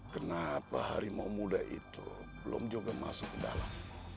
kenapa harimau muda itu belum juga masuk ke dalam